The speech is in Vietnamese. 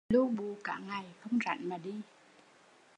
Lu bù cả ngày không rảnh mà đi